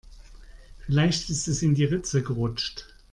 Vielleicht ist es in die Ritze gerutscht.